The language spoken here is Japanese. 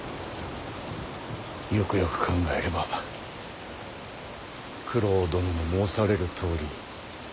よくよく考えれば九郎殿の申されるとおり。